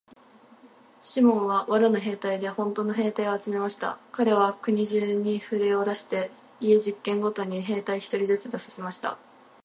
シモンは藁の兵隊でほんとの兵隊を集めました。かれは国中にふれを出して、家十軒ごとに兵隊一人ずつ出させました。